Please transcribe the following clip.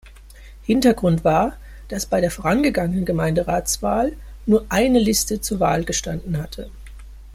Hintergrund war, dass bei der vorangegangenen Gemeinderatswahl nur eine Liste zur Wahl gestanden hatte.